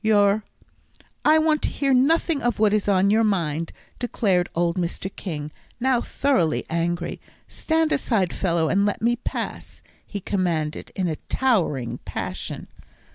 Your " "I want to hear nothing of what is on your mind," declared old Mr. King, now thoroughly angry. "Stand aside, fellow, and let me pass," he commanded, in a towering passion.